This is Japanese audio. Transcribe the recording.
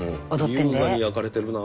優雅に焼かれてるな。